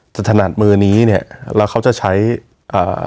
ถนัดมือนี้เนี้ยแล้วเขาจะใช้อ่า